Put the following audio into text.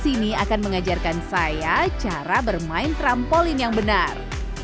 sini akan mengajarkan saya cara bermain trampolin yang benar